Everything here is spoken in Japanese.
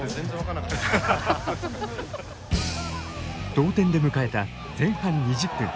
同点で迎えた前半２０分。